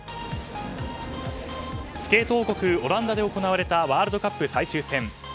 スケート王国オランダで行われたワールドカップ最終戦。